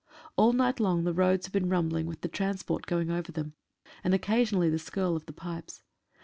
All night long the roads have been rumbling with the transport going over them, and occasionally the skirl of the pipes.